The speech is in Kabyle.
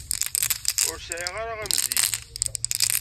Ur sɛiɣ ara am zik.